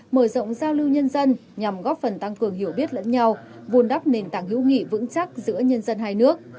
mở rộng giao lưu nhân dân nhằm góp phần tăng cường hiểu biết lẫn nhau vun đắp nền tảng hữu nghị vững chắc giữa nhân dân hai nước